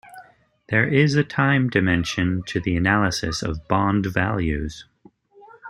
There is a time dimension to the analysis of bond values.